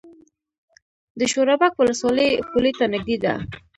د شورابک ولسوالۍ پولې ته نږدې ده